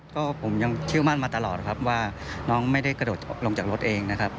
ก็ผมยังเชื่อมั่นมาตลอดครับว่าน้องไม่ได้กระโดดลงจากรถเองนะครับ